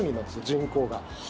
人口が。